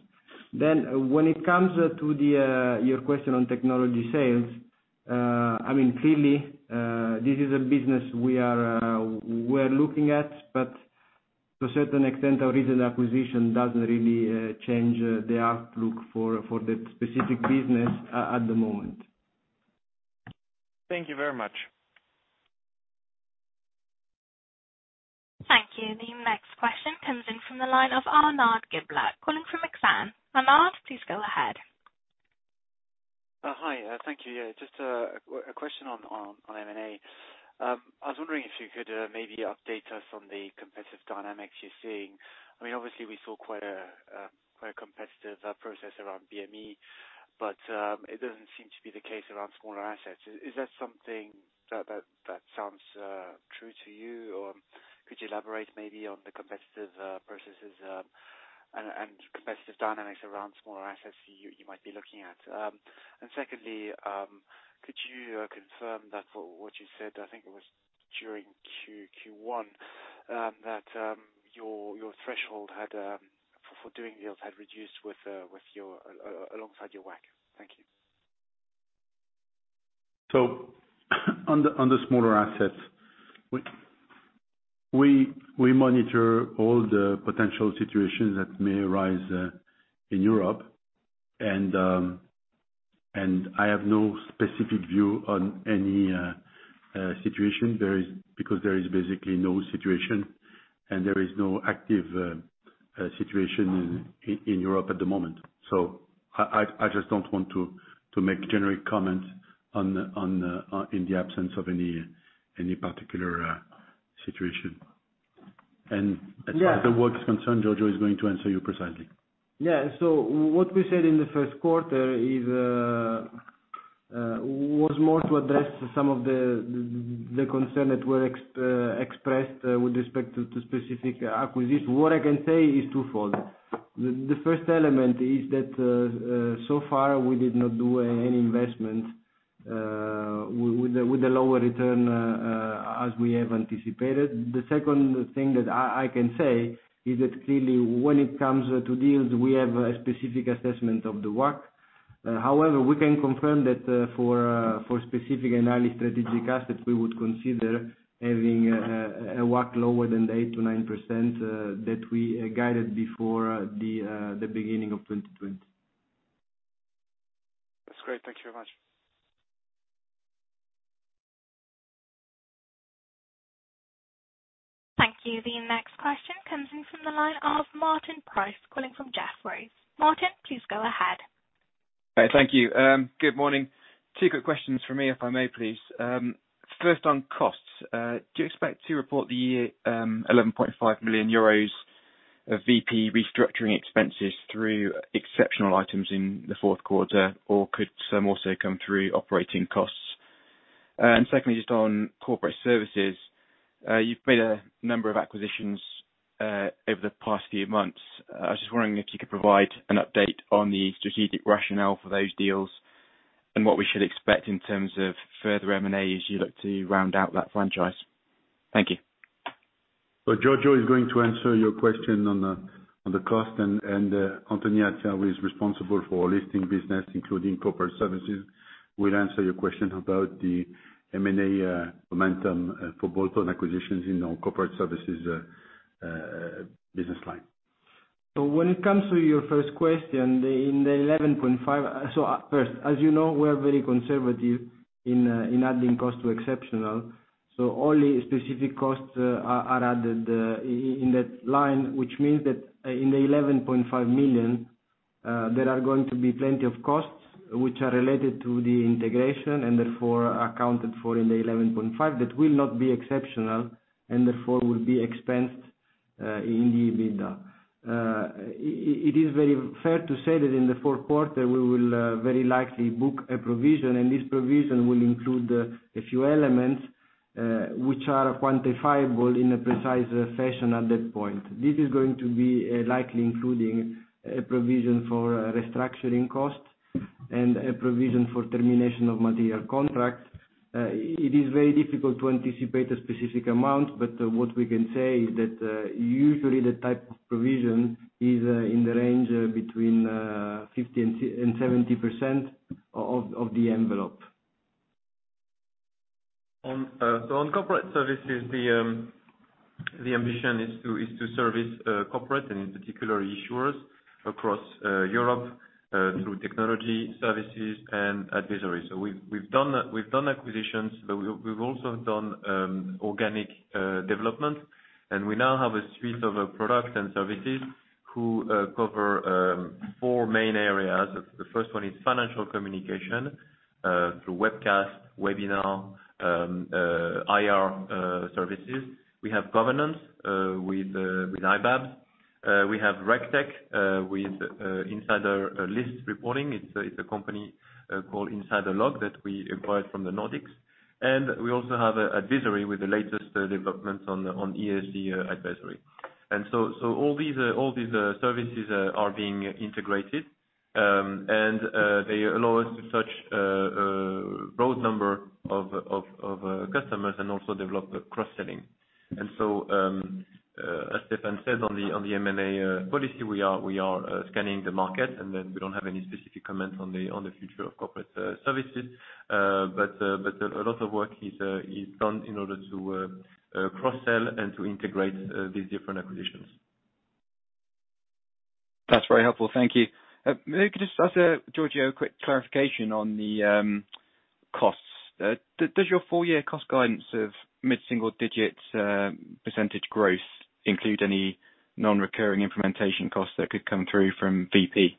When it comes to your question on technology sales, clearly, this is a business we're looking at, but to a certain extent, our recent acquisition doesn't really change the outlook for that specific business at the moment. Thank you very much. Thank you. The next question comes in from the line of Arnaud Giblat, calling from Exane. Arnaud, please go ahead. Hi. Thank you. Just a question on M&A. I was wondering if you could maybe update us on the competitive dynamics you're seeing. Obviously, we saw quite a competitive process around BME, but it doesn't seem to be the case around smaller assets. Is that something that sounds true to you, or could you elaborate maybe on the competitive processes, and competitive dynamics around smaller assets you might be looking at? Secondly, could you confirm that for what you said, I think it was during Q1, that your threshold for doing deals had reduced alongside your WACC? Thank you. On the smaller assets, we monitor all the potential situations that may arise in Europe, and I have no specific view on any situation because there is basically no situation, and there is no active situation in Europe at the moment. As far as the WACC is concerned, Giorgio is going to answer you precisely. Yeah. What we said in the first quarter was more to address some of the concerns that were expressed with respect to specific acquisitions. What I can say is twofold. The first element is that, so far, we did not do any investment with the lower return, as we have anticipated. The second thing that I can say is that clearly, when it comes to deals, we have a specific assessment of the WACC. However, we can confirm that for specific and early strategic assets, we would consider having a WACC lower than the 8%-9% that we guided before the beginning of 2020. That's great. Thank you very much. Thank you. The next question comes in from the line of Martin Price, calling from Jefferies. Martin, please go ahead. Okay. Thank you. Good morning. Two quick questions from me, if I may, please. First, on costs, do you expect to report the 11.5 million euros of VP restructuring expenses through exceptional items in the fourth quarter, or could some also come through operating costs? Secondly, just on Corporate Services, you've made a number of acquisitions over the past few months. I was just wondering if you could provide an update on the strategic rationale for those deals and what we should expect in terms of further M&As you look to round out that franchise. Thank you. Giorgio is going to answer your question on the cost, and Anthony is responsible for our listing business, including Corporate Services, will answer your question about the M&A momentum for bolt-on acquisitions in our Corporate Services business line. When it comes to your first question, in the EUR 11.5--. First, as you know, we're very conservative in adding cost to exceptional. Only specific costs are added in that line, which means that in the 11.5 million, there are going to be plenty of costs which are related to the integration, and therefore, accounted for in the 11.5 million. That will not be exceptional and therefore will be expensed in the EBITDA. It is very fair to say that in the fourth quarter, we will very likely book a provision, and this provision will include a few elements, which are quantifiable in a precise fashion at that point. This is going to be likely including a provision for restructuring costs and a provision for termination of material contracts. It is very difficult to anticipate a specific amount, but what we can say is that, usually the type of provision is in the range between 50% and 70% of the envelope. On corporate services, the ambition is to service corporate and in particular issuers across Europe, through technology services and advisory. We've done acquisitions, but we've also done organic development, and we now have a suite of products and services who cover four main areas. The first one is financial communication, through webcast, webinar, IR services. We have governance with iBabs. We have RegTech, with insider list reporting. It's a company called InsiderLog that we acquired from the Nordics. We also have advisory with the latest developments on ESG advisory. All these services are being integrated, and they allow us to touch a broad number of customers and also develop cross-selling. As Stéphane said on the M&A policy, we are scanning the market, and then we don't have any specific comment on the future of corporate services. A lot of work is done in order to cross-sell and to integrate these different acquisitions. That's very helpful. Thank you. Can I just ask Giorgio a quick clarification on the costs. Does your full year cost guidance of mid-single digits percentage growth include any non-recurring implementation costs that could come through from VP?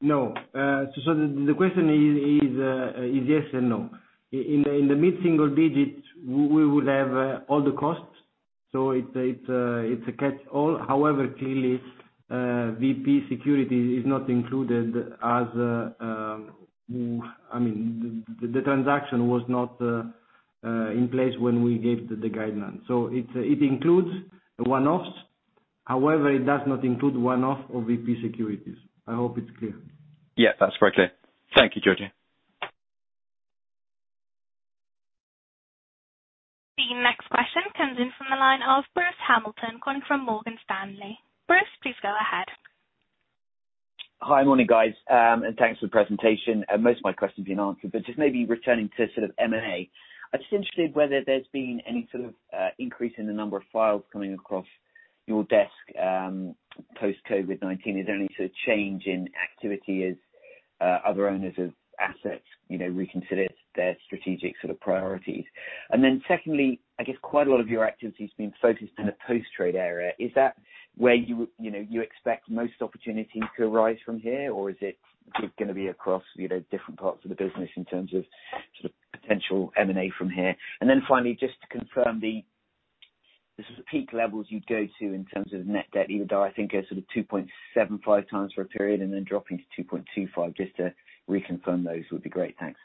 No. The question is yes and no. In the mid-single digits, we would have all the costs. It's a catch all. However, clearly, VP Securities is not included as the transaction was not in place when we gave the guidance. It includes one-offs. However, it does not include one-off of VP Securities. I hope it's clear. Yeah, that's very clear. Thank you, Giorgio. The next question comes in from the line of Bruce Hamilton calling from Morgan Stanley. Bruce, please go ahead. Hi. Morning, guys, and thanks for the presentation. Most of my questions have been answered, but just maybe returning to sort of M&A. I'm just interested whether there's been any sort of increase in the number of files coming across your desk, post-COVID-19. Is there any sort of change in activity as other owners of assets reconsider their strategic sort of priorities? Secondly, I guess quite a lot of your activity has been focused in the post-trade area. Is that where you expect most opportunities to arise from here, or is it going to be across different parts of the business in terms of potential M&A from here? Finally, just to confirm the sort of peak levels you go to in terms of net debt, EBITDA, I think a sort of 2.75x for a period and then dropping to 2.25. Just to reconfirm those would be great. Thanks.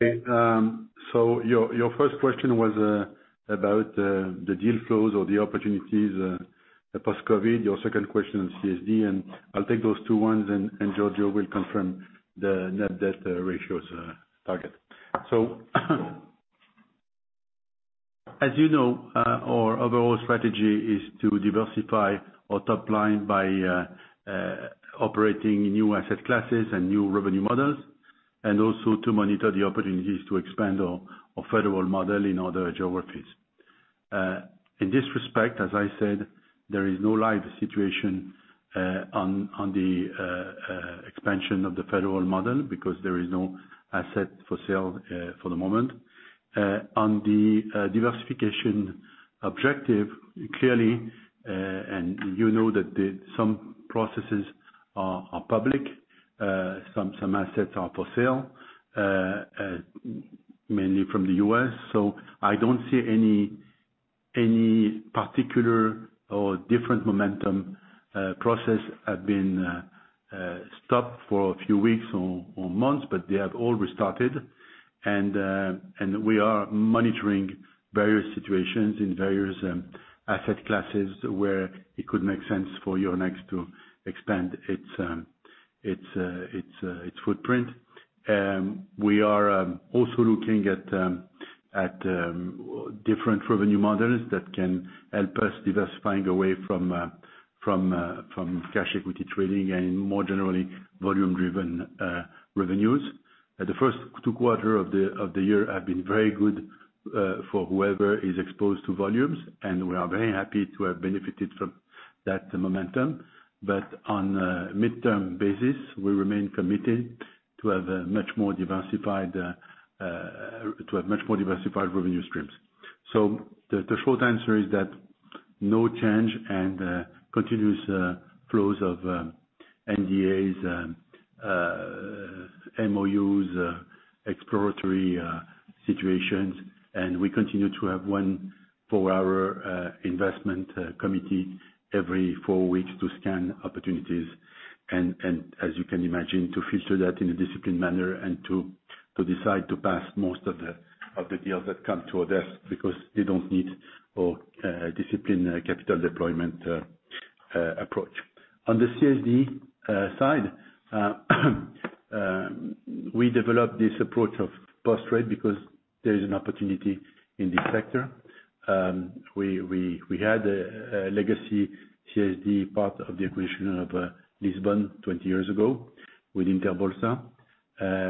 Your first question was about the deal flows or the opportunities post-COVID. Your second question on CSD. I'll take those two ones. Giorgio will confirm the net debt ratios target. As you know, our overall strategy is to diversify our top line by operating new asset classes and new revenue models, also to monitor the opportunities to expand our federal model in other geographies. In this respect, as I said, there is no live situation on the expansion of the federal model because there is no asset for sale for the moment. On the diversification objective, clearly, you know that some processes are public. Some assets are for sale, mainly from the U.S. I don't see any particular or different momentum. Process have been stopped for a few weeks or months, they have all restarted. We are monitoring various situations in various asset classes where it could make sense for Euronext to expand its footprint. We are also looking at different revenue models that can help us diversifying away from cash equity trading and more generally, volume-driven revenues. The first two quarters of the year have been very good for whoever is exposed to volumes, and we are very happy to have benefited from that momentum. On a midterm basis, we remain committed to have much more diversified revenue streams. The short answer is that no change and continuous flows of NDAs, MOUs, exploratory situations, and we continue to have one four-hour investment committee every four weeks to scan opportunities, and as you can imagine, to filter that in a disciplined manner and to decide to pass most of the deals that come to our desk because they don't need our disciplined capital deployment approach. On the CSD side, we developed this approach of post-trade because there is an opportunity in this sector. We had a legacy CSD part of the acquisition of Lisbon 20 years ago with Interbolsa.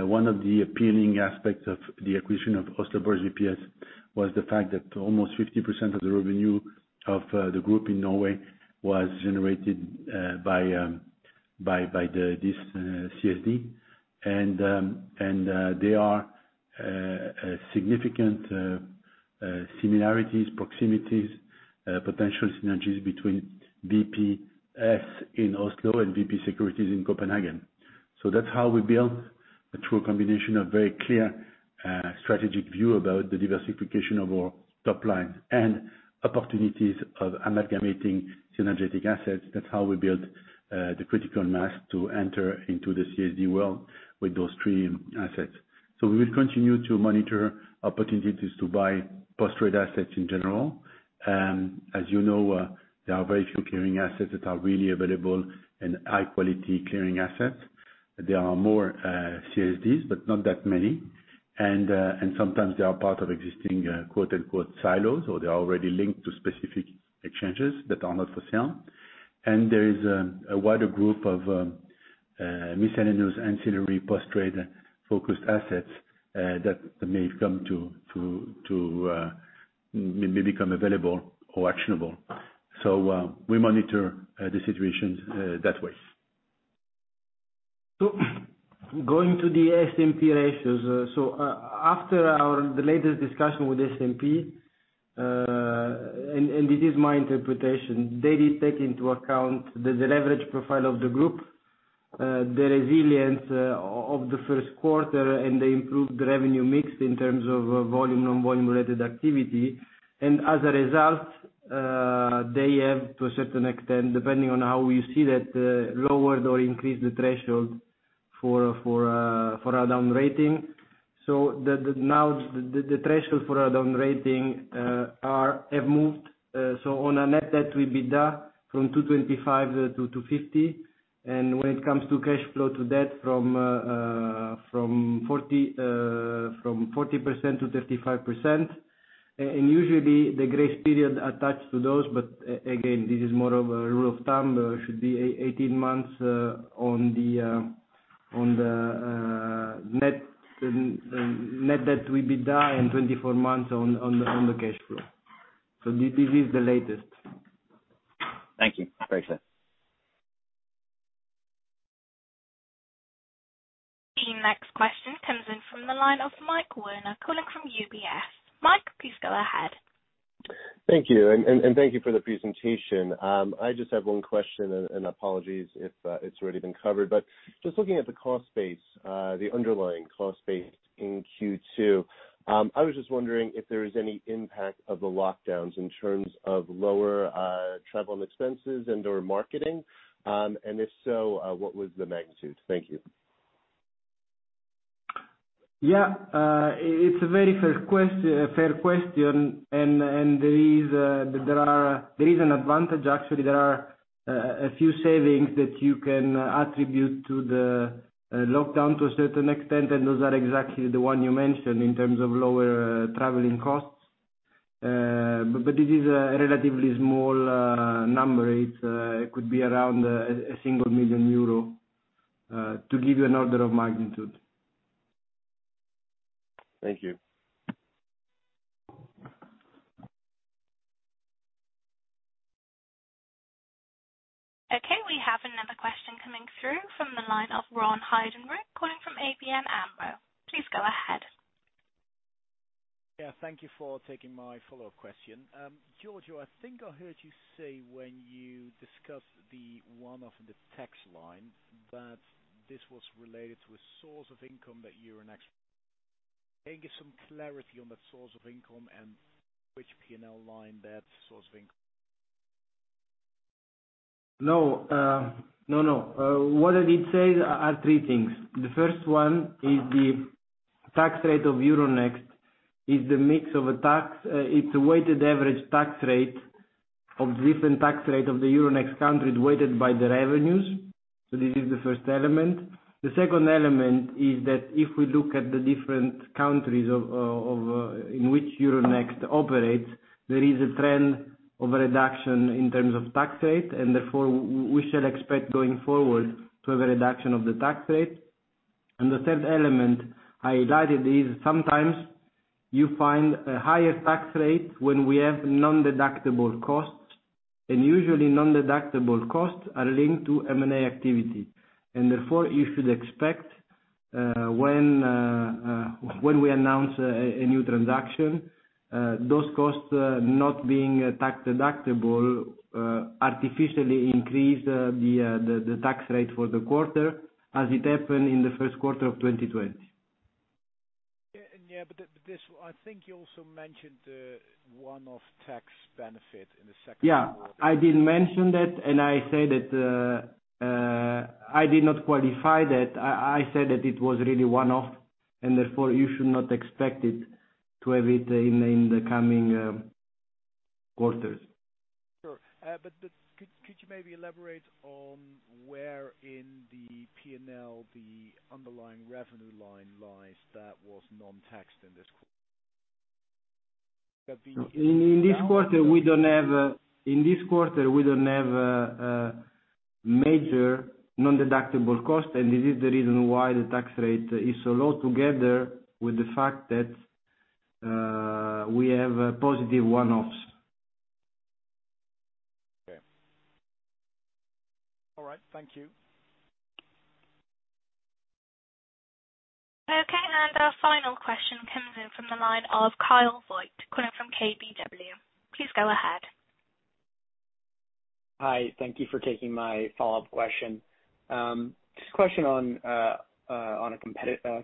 One of the appealing aspects of the acquisition of Oslo Børs VPS was the fact that almost 50% of the revenue of the group in Norway was generated by this CSD. There are significant similarities, proximities, potential synergies between VPS in Oslo and VP Securities in Copenhagen. That's how we build through a combination of very clear strategic view about the diversification of our top line and opportunities of amalgamating synergetic assets. That's how we build the critical mass to enter into the CSD world with those three assets. We will continue to monitor opportunities to buy post-trade assets in general. As you know, there are very few clearing assets that are really available and high-quality clearing assets. There are more CSDs, but not that many. Sometimes they are part of existing "silos," or they're already linked to specific exchanges that are not for sale. There is a wider group of miscellaneous ancillary post-trade-focused assets that may become available or actionable. We monitor the situations that way. Going to the S&P ratios. After the latest discussion with S&P, and this is my interpretation, they did take into account the leverage profile of the group, the resilience of the first quarter, and the improved revenue mix in terms of volume, non-volume-related activity. As a result, they have to a certain extent, depending on how you see that, lowered or increased the threshold for a down rating. Now the threshold for a down rating have moved. On a net debt-to-EBITDA from 2.25x to 2.5x, and when it comes to cash flow to debt from 40% to 35%. Usually, the grace period attached to those, but again this is more of a rule of thumb, should be 18 months on the net debt-to-EBITDA and 24 months on the cash flow. This is the latest. Thank you. Very clear. The next question comes in from the line of Mike Werner, calling from UBS. Mike, please go ahead. Thank you. Thank you for the presentation. I just have one question. Apologies if it's already been covered. Just looking at the cost base, the underlying cost base in Q2. I was just wondering if there is any impact of the lockdowns in terms of lower travel expenses and/or marketing? If so, what was the magnitude? Thank you. Yeah. It's a very fair question. There is an advantage, actually, there are a few savings that you can attribute to the lockdown to a certain extent, and those are exactly the one you mentioned in terms of lower traveling costs. It is a relatively small number. It could be around 1 million euro, to give you an order of magnitude. Thank you. Okay, we have another question coming through from the line of Ron Heydenrijk, calling from ABN AMRO. Please go ahead. Yeah. Thank you for taking my follow-up question. Giorgio, I think I heard you say when you discussed the one-off in the tax line, that this was related to a source of income that Euronext. Can you give some clarity on that source of income and which P&L line that source of income? No. What I did say are three things. The first one is the tax rate of Euronext is the weighted average tax rate of different tax rate of the Euronext country weighted by the revenues. This is the first element. The second element is that if we look at the different countries in which Euronext operates, there is a trend of a reduction in terms of tax rate, and therefore we shall expect going forward to have a reduction of the tax rate. The third element highlighted is sometimes you find a higher tax rate when we have non-deductible costs, and usually non-deductible costs are linked to M&A activity. Therefore, you should expect, when we announce a new transaction, those costs not being tax-deductible, artificially increase the tax rate for the quarter as it happened in the first quarter of 2020. Yeah. This, I think you also mentioned the one-off tax benefit in the second quarter. Yeah, I did mention that and I said that I did not qualify that. I said that it was really one-off, and therefore you should not expect it to have it in the coming quarters. Sure. Could you maybe elaborate on where in the P&L the underlying revenue line lies that was non-taxed in this quarter? In this quarter, we don't have a major non-deductible cost. This is the reason why the tax rate is so low together with the fact that we have positive one-offs. Okay. All right. Thank you. Okay, our final question comes in from the line of Kyle Voigt calling from KBW. Please go ahead. Hi. Thank you for taking my follow-up question. A question on a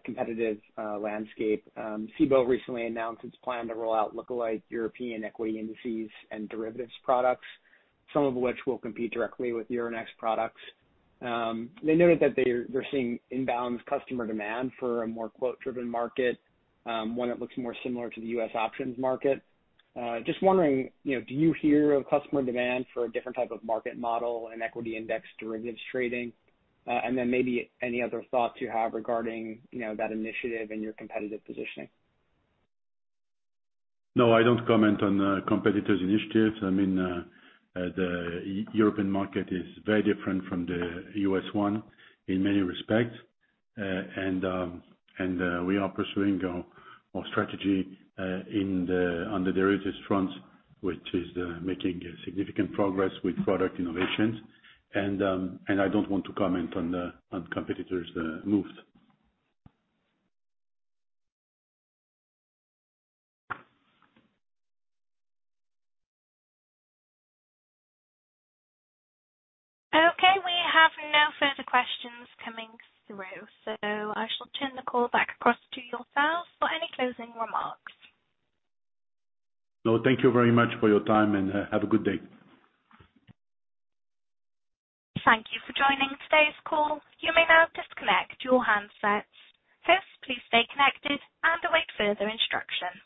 competitive landscape. Cboe recently announced its plan to roll out lookalike European equity indices and derivatives products, some of which will compete directly with Euronext products. They noted that they're seeing inbounds customer demand for a more quote-driven market, one that looks more similar to the U.S. options market. Wondering, do you hear of customer demand for a different type of market model and equity index derivatives trading? Maybe any other thoughts you have regarding that initiative and your competitive positioning? No, I don't comment on competitors' initiatives. I mean, the European market is very different from the U.S. one in many respects. We are pursuing our strategy on the derivatives front, which is making significant progress with product innovations. I don't want to comment on competitors' moves. Okay, we have no further questions coming through, so I shall turn the call back across to yourselves for any closing remarks. No, thank you very much for your time, and have a good day. Thank you for joining today's call. You may now disconnect your handsets. First, please stay connected and await further instruction.